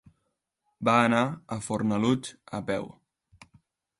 Va anar a Fornalutx a peu.